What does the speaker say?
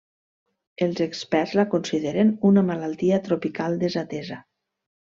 Els experts la consideren una malaltia tropical desatesa.